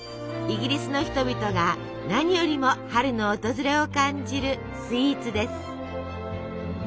イギリスの人々が何よりも春の訪れを感じるスイーツです。